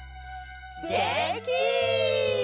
げんき！